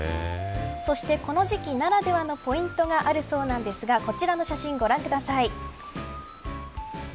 そして、この時期ならではのポイントがあるそうなんですがこちらの写真をご覧ください。